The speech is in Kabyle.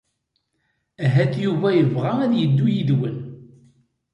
Ahat Yuba yebɣa ad yeddu yid-wen.